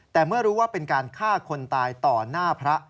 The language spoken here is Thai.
แต่เมื่อรู้ว่าเป็นการฆ่าคนตายต่อหน้าพระ